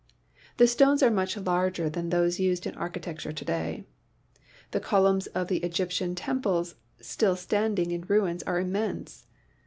The stones are much larger than those used in architecture to day. The columns of the Egyptian tem ples still standing in ruins are immense.